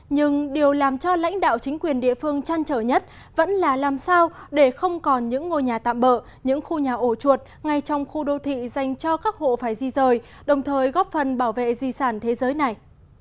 nhưng điều làm cho lãnh đạo chính quyền địa phương chăn trở nhất vẫn là làm sao để không còn những ngôi nhà tạm bỡ những khu nhà ổ chuột ngay trong khu đô thị dành cho các hộ phải di rời đồng thời góp phần bảo vệ di sản thế giới này